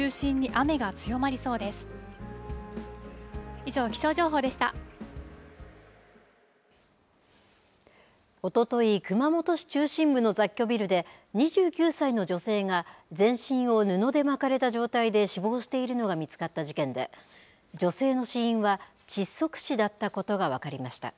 以上、おととい、熊本市中心部の雑居ビルで、２９歳の女性が全身を布で巻かれた状態で死亡しているのが見つかった事件で、女性の死因は窒息死だったことが分かりました。